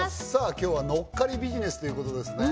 今日はのっかりビジネスということですね